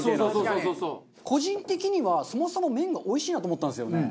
個人的にはそもそも麺がおいしいなと思ったんですよね。